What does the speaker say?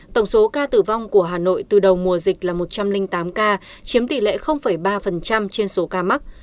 tổng số ca tử vong của hà nội từ đầu mùa dịch là một trăm linh tám ca chiếm tỷ lệ ba trên số ca mắc